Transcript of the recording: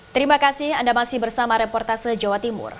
terima kasih anda masih bersama reportase jawa timur